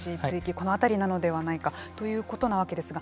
このあたりなのではないかということなわけですが。